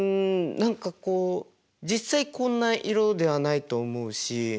何かこう実際こんな色ではないと思うし。